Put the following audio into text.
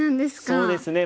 そうですね。